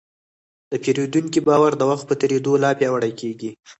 د پیرودونکي باور د وخت په تېرېدو لا پیاوړی کېږي.